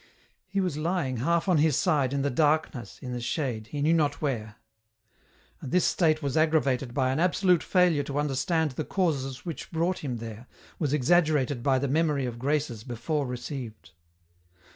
He was lying, half on his side, in the darkness, in the shade, he knew not where. And this state was aggravated by an absolute failure to understand the causes which brought him there, was exagger ated by the memory of graces before received.